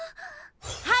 はい！